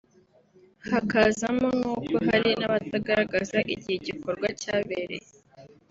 hakazamo n’uko hari n’abatagaragaza igihe igikorwa cyabereye